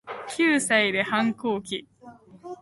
九歳で反抗期